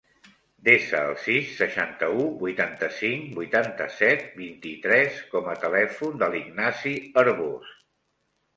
Desa el sis, seixanta-u, vuitanta-cinc, vuitanta-set, vint-i-tres com a telèfon de l'Ignasi Arbos.